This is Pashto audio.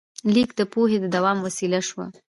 لیک د پوهې د دوام وسیله شوه.